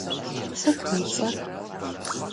Sıt vui ts'er?